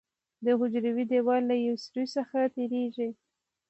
د حجروي دیوال له یو سوري څخه تېریږي.